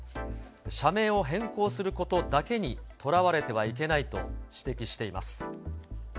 社名を変更することだけにとらわれてはいけないと指摘しています。